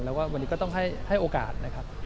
แล้วก็วันนี้ก็ต้องให้โอกาสนะครับ